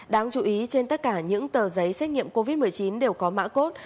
đáng chú ý trên tất cả những tờ giấy xét nghiệm covid một mươi chín đều có mã cốt